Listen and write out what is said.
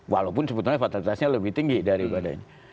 walaupun sebetulnya fatalitasnya lebih tinggi daripada ini